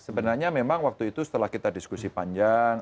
sebenarnya memang waktu itu setelah kita diskusi panjang